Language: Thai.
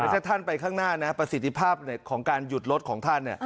ถ้าท่านไปข้างหน้านะประสิทธิภาพของการหยุดรถของท่าน